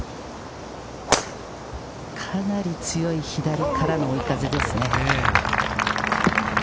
かなり強い左からの追い風ですね。